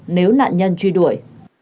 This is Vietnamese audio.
nếu nạn nhân truy đuổi